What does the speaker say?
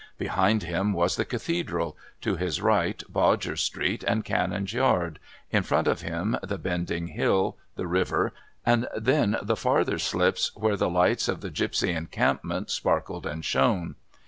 Behind him was the Cathedral, to his right Bodger's Street and Canon's Yard, in front of him the bending hill, the river, and then the farther slips where the lights of the gipsy encampment sparkled and shone.